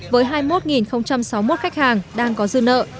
với hai mươi một sáu mươi một khách hàng đang có dư nợ